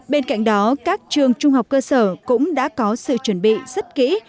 bên cạnh đó các trường trung học cơ sở cũng đã có sự chuẩn bị rất kỹ